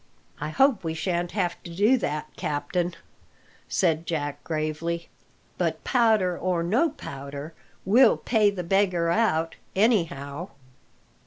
"I hope we shan't have to do that, captain," said Jack gravely. "But powder or no powder, we'll pay the beggar out, anyhow."